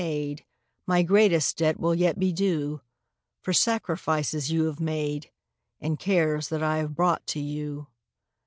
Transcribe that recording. '* 7^0 My greatest debt will yet be due For sacrifices you bave made And cares that I have brought to you.